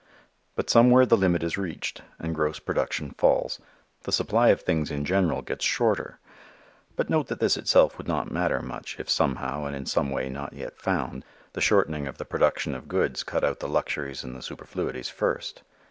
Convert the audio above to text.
But somewhere the limit is reached and gross production falls. The supply of things in general gets shorter. But note that this itself would not matter much, if somehow and in some way not yet found, the shortening of the production of goods cut out the luxuries and superfluities first.